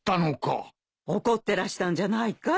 怒ってらしたんじゃないかい？